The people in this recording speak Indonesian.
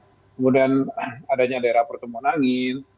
kemudian adanya daerah pertemuan angin